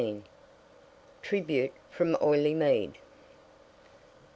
Tribute from Oileymead.